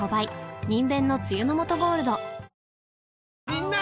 みんな！